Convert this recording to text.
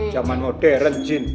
zaman modern jin